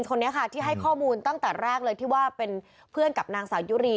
คนนี้ค่ะที่ให้ข้อมูลตั้งแต่แรกเลยที่ว่าเป็นเพื่อนกับนางสาวยุรี